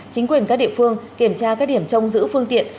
chính quyền các địa phương kiểm tra các điểm trông giữ phương tiện